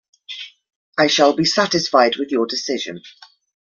I shall be satisfied with your decision.